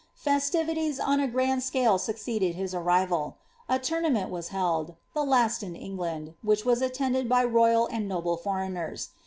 Festivities on a grand scale succeeded his arrival. A tournament was ^eld — the last in England, which was attended by royal and noble breigners.